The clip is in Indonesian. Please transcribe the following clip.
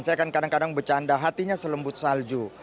saya kan kadang kadang bercanda hatinya selembut salju